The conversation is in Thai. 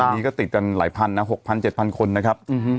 วันนี้ก็ติดกันหลายพันนะหกพันเจ็ดพันคนนะครับอือฮือ